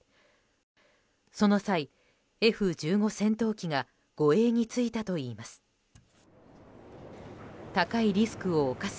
その後、Ｆ１５戦闘機が護衛についたといいます。